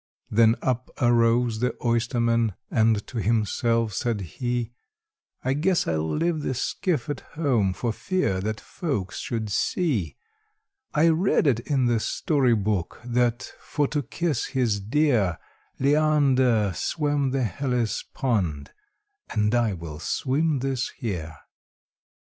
Then up arose the oysterman, and to himself said he, "I guess I 'll leave the skiff at home, for fear that folks should see I read it in the story book, that, for to kiss his dear, Leander swam the Hellespont, and I will swim this here."